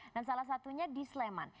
dan salah satunya di sleman